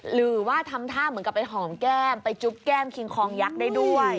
หรือว่าทำท่าเหมือนกับไปหอมแก้มไปจุ๊บแก้มคิงคองยักษ์ได้ด้วย